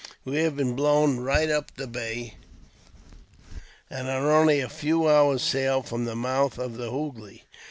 We have been blown right up the bay, and are only a few hours' sail from the mouth of the Hoogly.